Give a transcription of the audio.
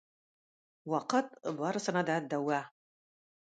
Вакыт барысына да дәва.